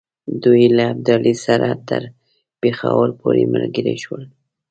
دوی له ابدالي سره تر پېښور پوري ملګري شول.